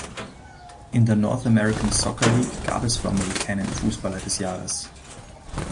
In der North American Soccer League gab es formell keinen "Fußballer des Jahres".